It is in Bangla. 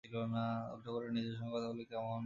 উলটো করে নিজের সঙ্গে কথা বললে কেমন হয়?